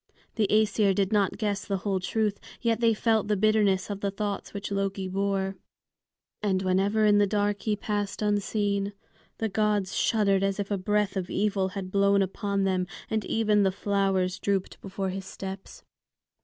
The Æsir did not guess the whole truth, yet they felt the bitterness of the thoughts which Loki bore; and whenever in the dark he passed unseen, the gods shuddered as if a breath of evil had blown upon them, and even the flowers drooped before his steps.